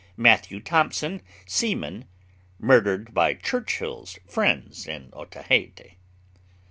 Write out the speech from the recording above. MATTHEW THOMPSON, seaman, murdered by Churchill's friends in Otaheite.